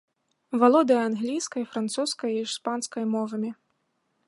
Валодае англійскай, французскай і іспанскай мовамі.